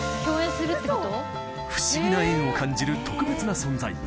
不思議な縁を感じる特別な存在。